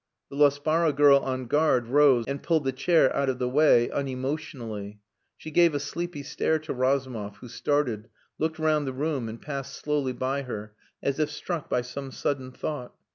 The Laspara girl on guard rose, and pulled the chair out of the way unemotionally. She gave a sleepy stare to Razumov, who started, looked round the room and passed slowly by her as if struck by some sudden thought.